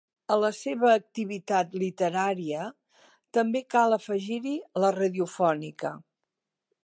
A la seva activitat literària també cal afegir-hi la radiofònica.